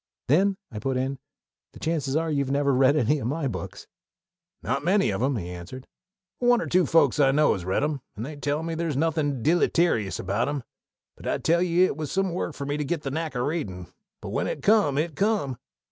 "Then," I put in, "the chances are you've never read any of my books." "Not many of 'em," he answered; "but one or two folks I know has read 'em, and they tell me there's nothin' deelyterious about 'em. But I tell ye it was some work for me to get the knack o' readin'; but when it come it come!